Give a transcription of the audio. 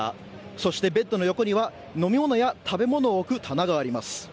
そしてベッドの横には飲み物や食べ物を置く棚があります。